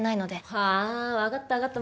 はあわかったわかった。